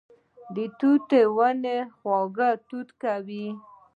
د توت ونه خواږه توت کوي